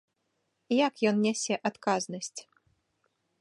Як ён нясе адказнасць?